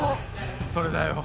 それだよ。